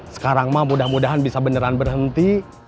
sekarang mah mudah mudahan bisa beneran berhenti